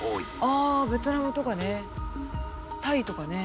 ああベトナムとかねタイとかね。